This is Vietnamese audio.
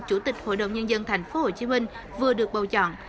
chủ tịch hội đồng nhân dân tp hcm vừa được bầu chọn